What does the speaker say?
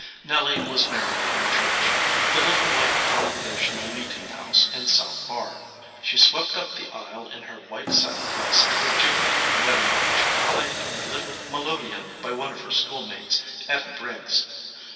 Nelly was married in the church the little white Congregational meeting house in South Barr. She swept up the aisle in her white satin dress to a jiggling wedding march played on the little melo deon by one of her schoolmates, Etta Briggs.